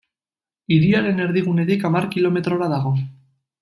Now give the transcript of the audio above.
Hiriaren erdigunetik hamar kilometrora dago.